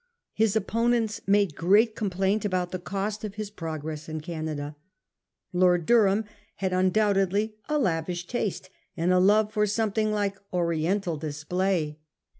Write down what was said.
His opponents made great complaint about the cost of his progress in Canada. Lord Durham had un 1838. THE ATTACKS ON DURHAM. 7.8 doubtedly a lavish, taste and a love for something like Oriental display.